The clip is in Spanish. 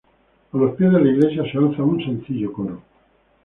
A los pies de la Iglesia se alza un sencillo coro.